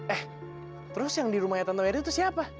eh terus yang di rumahnya tante meri itu siapa